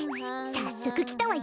さっそくきたわよ。